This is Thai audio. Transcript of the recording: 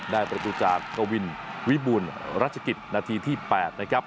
ได้ประตูจากกวินวิบูลรัชกิจนาทีที่๘นะครับ